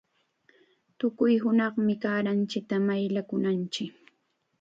Tukuy hunaqmi kaaranchikta mayllakunanchik.